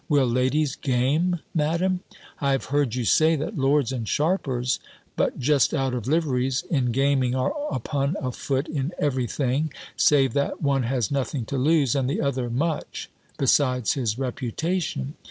Will ladies game, Madam? I have heard you say, that lords, and sharpers but just out of liveries, in gaming, are upon a foot in every thing, save that one has nothing to lose, and the other much, besides his reputation!